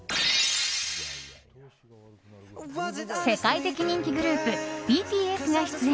世界的人気グループＢＴＳが出演。